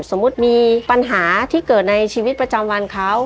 สมมุติมีปัญหาที่เกิดในชีวิตประจำวันเขา